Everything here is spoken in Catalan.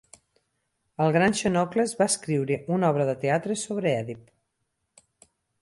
El gran Xenocles va escriure una obra de teatre sobre Èdip.